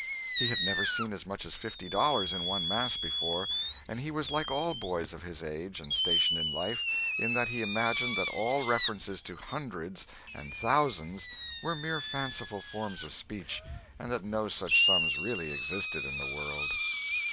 He had never seen as much as fifty dollars in one mass before, and he was like all boys of his age and station in life, in that he imagined that all references to "hundreds" and "thousands" were mere fanciful forms of speech, and that no such sums really existed in the world.